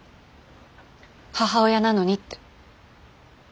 母親なのにって。